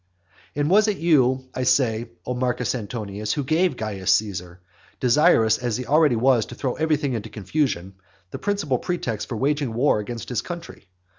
XXII. It was you, you, I say, O Marcus Antonius, who gave Caius Caesar, desirous as he already was to throw everything into confusion, the principal pretext for waging war against his country.